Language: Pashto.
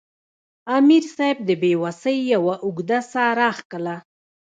امیر صېب د بې وسۍ یوه اوږده ساه راښکله